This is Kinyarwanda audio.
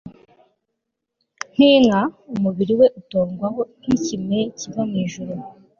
nk inka umubiri we utondwaho n ikime kiva mu ijuru